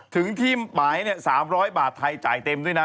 ถึงที่หมาย๓๐๐บาทไทยจ่ายเต็มด้วยนะ